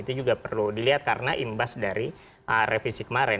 itu juga perlu dilihat karena imbas dari revisi kemarin